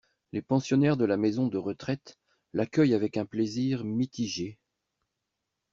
Les pensionnaires de la maison de retraite l’accueillent avec un plaisir mitigé.